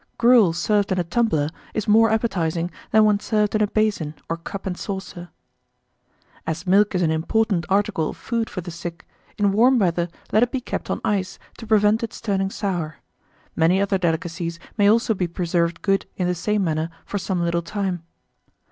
Gruel served in a tumbler is more appetizing than when served in a basin or cup and saucer. 1845. As milk is an important article of food for the sick, in warm weather let it be kept on ice, to prevent its turning sour. Many other delicacies may also be preserved good in the same manner for some little time.